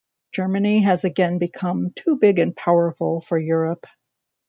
Germany has again become too big and powerful for Europe.